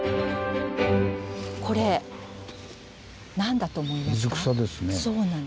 これ何だと思いますか？